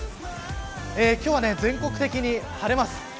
今日は全国的に晴れます。